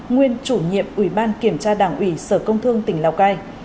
nguyên chủ nhiệm ủy ban kiểm tra đảng ủy sở công thương tỉnh lào cai